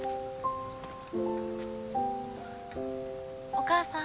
お母さん。